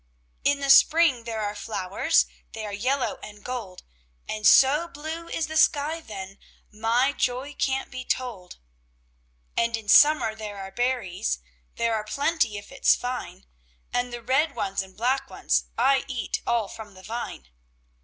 "In the spring there are flowers They are yellow and gold, And so blue is the sky then My joy can't be told. "And in summer there are berries, There are plenty if it's fine, And the red ones and black ones, I eat all from the vine.